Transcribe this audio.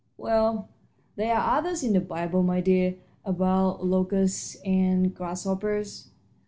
"Well, there are others in the Bible, my dear, about locusts and grasshoppers."